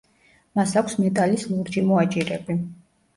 მას აქვს მეტალის ლურჯი მოაჯირები.